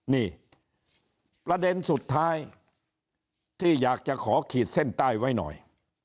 นี่ประเด็นสุดท้ายที่อยากจะขอขีดเส้นใต้ไว้หน่อย